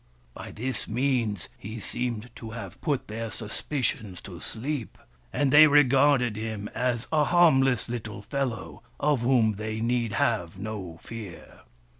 By this means he 250 WURIP, THE FIRE BRINGER seemed to have put their suspicions to sleep, and they regarded him as a harmless little fellow, of whom they need have no fear.